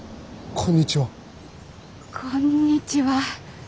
こんにちは。